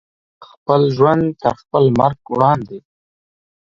خپل ژوند تر خپل مرګ وړاندې